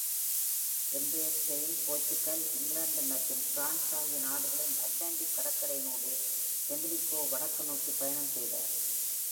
இன்றைய Spain, Portugal, England மற்றும் France ஆகிய நாடுகளின் அட்லாண்டிக் கடற்கரையின் ஊடே Himilco வடக்கு நோக்கி பயணம் செய்தார்.